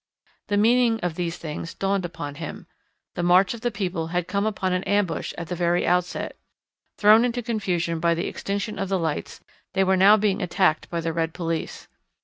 The meaning of these things dawned upon him. The march of the people had come upon an ambush at the very outset. Thrown into confusion by the extinction of the lights they were now being attacked by the red police.